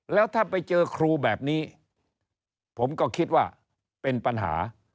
แล้วถ้าไปเจอครูแบบนี้ผมก็คิดว่าเป็นปัญหา